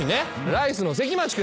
ライスの関町君。